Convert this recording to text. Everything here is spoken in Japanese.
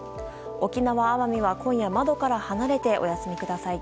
沖縄、奄美は今夜窓から離れてお休みください。